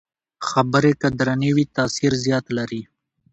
خبرې که درنې وي، تاثیر زیات لري